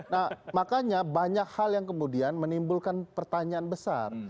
nah makanya banyak hal yang kemudian menimbulkan pertanyaan besar